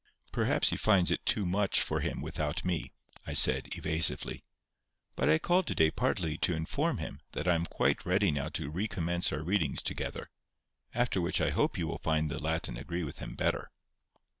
"Perhaps he finds it too much for him without me," I said, evasively; "but I called to day partly to inform him that I am quite ready now to recommence our readings together; after which I hope you will find the Latin agree with him better."